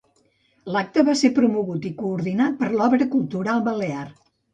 L'acte va ser promogut i coordinat per l'Obra Cultural Balear.